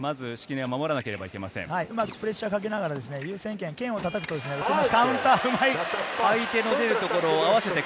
うまくプレッシャーをかけながら優先権、剣をたたくと打ちます。